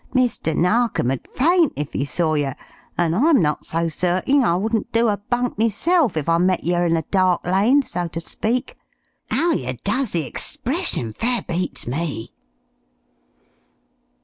Mr. Narkom'd faint if 'e saw yer, an' I'm not so certing I wouldn't do a bunk meself, if I met yer in a dark lane, so to speak. 'Ow yer does the expression fair beats me."